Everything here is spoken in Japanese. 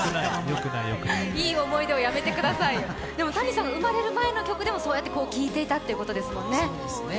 いい思い出をやめてくださいよ、でもＴａｎｉさん、生まれる前の曲でもそうやって聴いていたんですね。